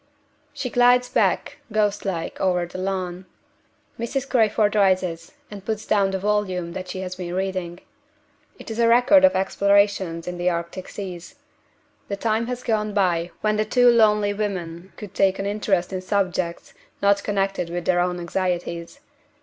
She glides back, ghost like, over the lawn. Mrs. Crayford rises, and puts down the volume that she has been reading. It is a record of explorations in the Arctic seas. The time has gone by when the two lonely women could take an interest in subjects not connected with their own anxieties.